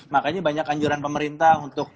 makanya banyak anjuran pemerintah untuk